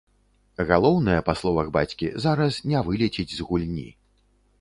Галоўнае, па словах бацькі, зараз не вылецець з гульні.